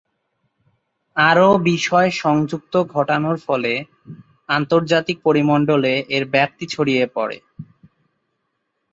আরও বিষয় সংযুক্ত ঘটানোর ফলে আন্তর্জাতিক পরিমণ্ডলে এর ব্যাপ্তি ছড়িয়ে পড়ে।